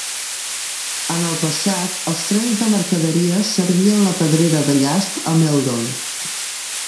En el passat, els trens de mercaderies servien la pedrera de llast a Meldon.